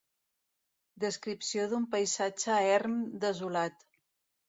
Descripció d'un paisatge erm desolat.